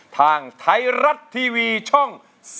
ทางไทยรัฐทีวีช่อง๓๒